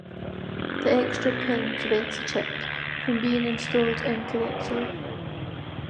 The extra pin prevents the chip from being installed incorrectly.